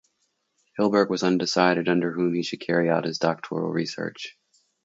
Hilberg was undecided under whom he should carry out his doctoral research.